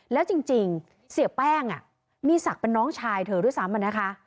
แล้วจริงเสียแป้งมีศักดิ์เป็นน้องชายเธอด้วยซ้ำนะคะ